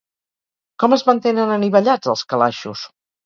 Com es mantenen anivellats els calaixos?